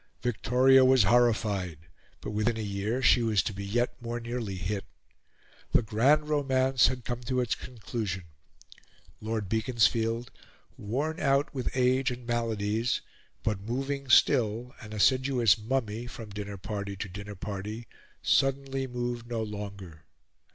Victoria was horrified, but within a year she was to be yet more nearly hit. The grand romance had come to its conclusion. Lord Beaconsfield, worn out with age and maladies, but moving still, an assiduous mummy, from dinner party to dinner party, suddenly moved no longer.